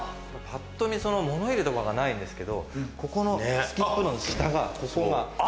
パッと見物入れとかがないんですけどここのスキップの下がここが。